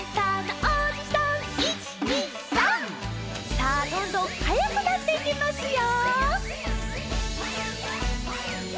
さあどんどんはやくなっていきますよ。